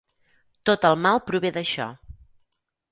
Tot el mal prové d'això.